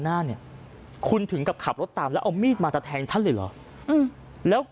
หน้าเนี่ยคุณถึงกับขับรถตามแล้วเอามีดมาจะแทงท่านเลยเหรอแล้ว